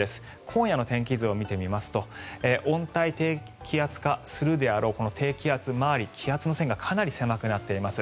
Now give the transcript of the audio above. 今夜の天気図を見てみますと温帯低気圧化するであろうこの低気圧周り、気圧の線がかなり狭くなっています。